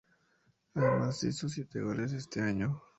Además hizo siete goles este año.